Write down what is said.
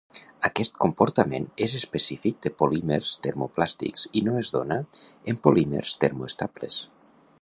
Aquest comportament és específic de polímers termoplàstics i no es dóna en polímers termoestables.